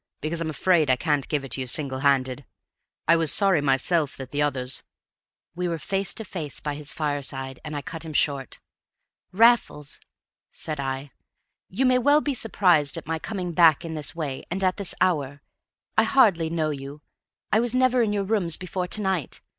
Because I'm afraid I can't give it to you single handed. I was sorry myself that the others " We were face to face by his fireside, and I cut him short. "Raffles," said I, "you may well be surprised at my coming back in this way and at this hour. I hardly know you. I was never in your rooms before to night.